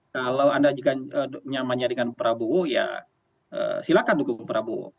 kalau anda nyamannya dengan prabowo ya silahkan mendukung prabowo